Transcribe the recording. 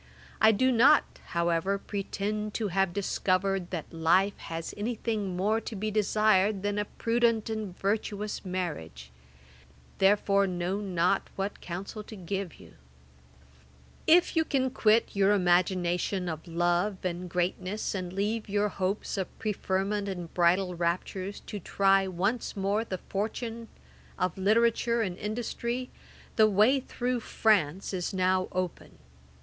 I do not, however, pretend to have discovered that life has any thing more to be desired than a prudent and virtuous marriage; therefore know not what counsel to give you. [Page 382: Johnson's Life of Collins. A.D. 1763.] 'If you can quit your imagination of love and greatness, and leave your hopes of preferment and bridal raptures to try once more the fortune of literature and industry, the way through France is now open.